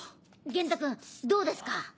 元太君どうですか？